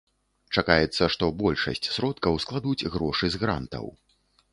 Чакаецца, што большасць сродкаў складуць грошы з грантаў.